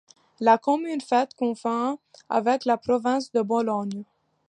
La commune fait confins avec la province de Bologne.